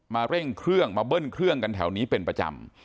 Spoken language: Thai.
เร่งเครื่องมาเบิ้ลเครื่องกันแถวนี้เป็นประจำ